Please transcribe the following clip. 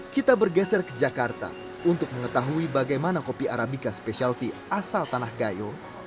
kita bergeser ke jakarta untuk mengetahui bagaimana kopi arabica specialty asal tanah gayo